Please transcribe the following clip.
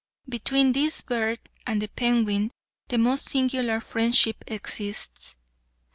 Between this bird and the penguin the most singular friendship exists.